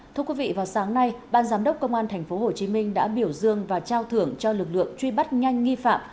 thưa quý vị vào sáng nay ban giám đốc công an tp hcm đã biểu dương và trao thưởng cho lực lượng truy bắt nhanh nghi phạm